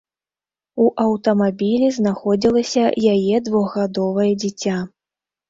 У аўтамабілі знаходзілася яе двухгадовае дзіця.